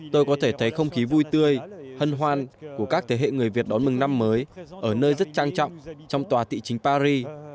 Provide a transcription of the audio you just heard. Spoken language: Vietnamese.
tôi có thể thấy không khí vui tươi hân hoan của các thế hệ người việt đón mừng năm mới ở nơi rất trang trọng trong tòa thị chính paris